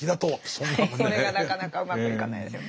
それがなかなかうまくいかないですよね。